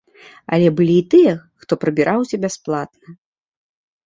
Але былі і тыя, хто прабіраўся бясплатна.